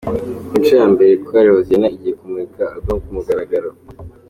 Ku nshuro ya mbere Korali Hoziyana igiye kumurika ’album’ ku mugaragaro